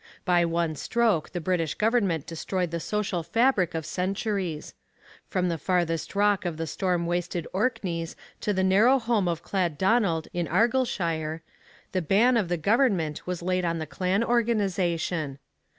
By one stroke the British government destroyed the social fabric of centuries. From the farthest rock of the storm wasted Orkneys to the narrow home of Clan Donald in Argyllshire, the ban of the government was laid on the clan organization.